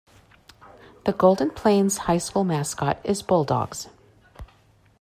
The Golden Plains High School mascot is Bulldogs.